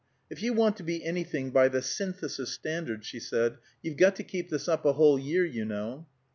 "If you want to be anything by the Synthesis standards," she said, "you've got to keep this up a whole year, you know."